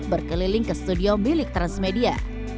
berkeliling ke studio milik transmedia